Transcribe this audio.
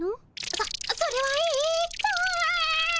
そそれはえとあ。